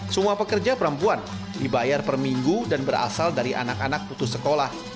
semua pekerja perempuan dibayar per minggu dan berasal dari anak anak putus sekolah